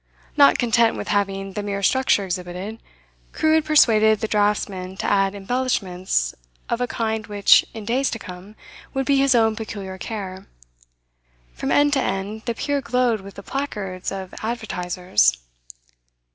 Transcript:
Not content with having the mere structure exhibited, Crewe had persuaded the draughtsman to add embellishments of a kind which, in days to come, would be his own peculiar care; from end to end, the pier glowed with the placards of advertisers.